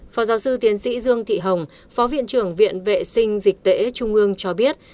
phó giáo sư tiến sĩ dương thị hồng phó viện trưởng viện vệ sinh dịch tễ trung ương cho biết